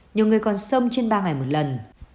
nhiều người còn sông trên ba ngày một lần